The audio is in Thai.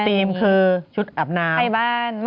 ธีมคือชุดอาบน้ำไทบ้าน